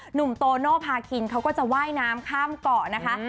หนุ่มโตโนภาคินเขาก็จะว่ายน้ำข้ามเกาะนะคะ